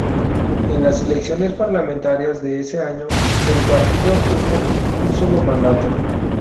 En las elecciones parlamentarias de ese año, el partido obtuvo un solo mandato.